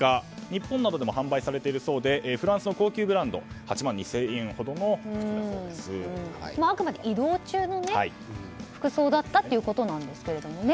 日本などでも販売されているそうでフランスの高級ブランド８万２０００円ほどのあくまで移動中の服装だったということなんですけど。